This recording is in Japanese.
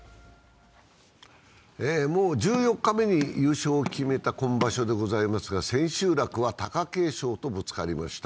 もう１４日目に優勝を決めた今場所でございますが、千秋楽は貴景勝とぶつかりました。